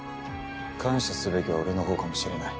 感謝すべきは俺の方かもしれない。